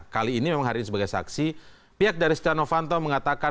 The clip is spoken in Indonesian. kali ini memang hari ini sebagai saksi pihak dari setia novanto mengatakan